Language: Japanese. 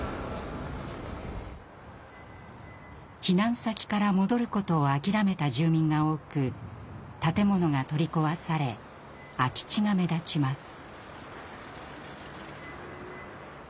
避難先から戻ることを諦めた住民が多く建物が取り壊され空き地が目立ちます。